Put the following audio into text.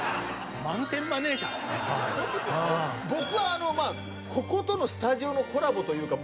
僕はこことのスタジオのコラボというか。